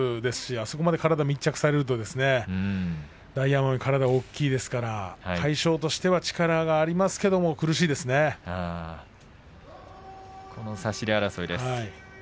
あとここで体を密着されると大奄美、体が大きいですから魁勝としては力はありますが差し手争いでした。